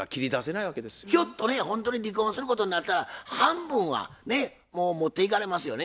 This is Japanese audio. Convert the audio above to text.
ひょっとねほんとに離婚することになったら半分はねもう持っていかれますよね。